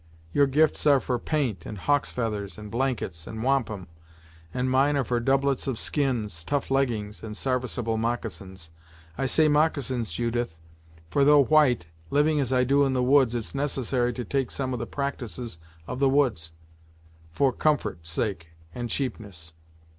Your gifts are for paint, and hawk's feathers, and blankets, and wampum, and mine are for doublets of skins, tough leggings, and sarviceable moccasins. I say moccasins, Judith, for though white, living as I do in the woods it's necessary to take to some of the practyces of the woods, for comfort's sake and cheapness."